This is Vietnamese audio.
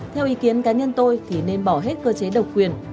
theo ý kiến cá nhân tôi thì nên bỏ hết cơ chế độc quyền